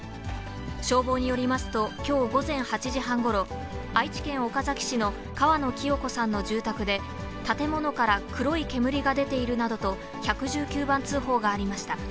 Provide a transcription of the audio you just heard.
消防によりますと、きょう午前８時半ごろ、愛知県岡崎市の河野希代子さんの住宅で、建物から黒い煙が出ているなどと、１１９番通報がありました。